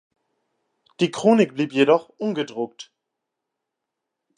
Die Chronik blieb jedoch ungedruckt.